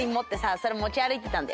それもちあるいてたんだよ。